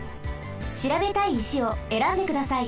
しらべたい石をえらんでください。